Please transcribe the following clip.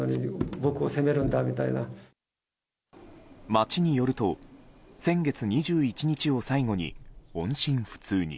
町によると先月２１日を最後に音信不通に。